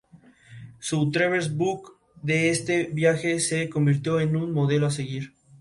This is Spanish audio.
Su "Traverse book" de este viaje se convirtió en un modelo a seguir.